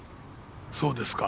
そうですか。